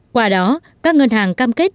qua đó các ngân hàng cam kết